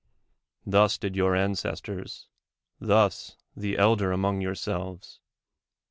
Thus did your ancestors, thus the elder among yourselves.